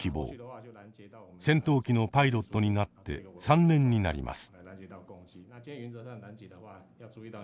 戦闘機のパイロットになって３年になります。